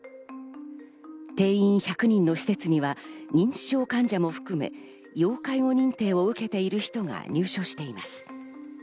定員１００人の施設には認知症患者も含め、要介護認定を受けている人が入所しています。